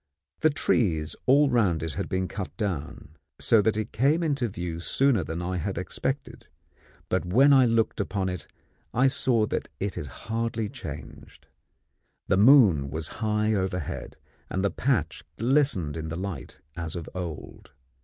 The trees all round it had been cut down, so that it came into view sooner than I had expected; but when I looked upon it I saw that it had hardly changed. The moon was high overhead, and the patch glistened in the light, as of old.